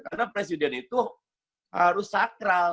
karena presiden itu harus sakral